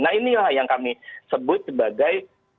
nah inilah yang kami sebut sebagai